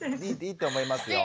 いいと思いますよ。